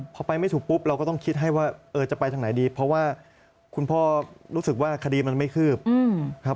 พอไปไม่ถูกปุ๊บเราก็ต้องคิดให้ว่าจะไปทางไหนดีเพราะว่าคุณพ่อรู้สึกว่าคดีมันไม่คืบครับ